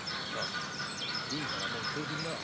いいからもう連れて行きな。